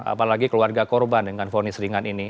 apalagi keluarga korban dengan voni seringan ini